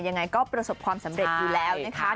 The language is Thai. ยังไงก็ประสบความสำเร็จอยู่แล้วนะคะ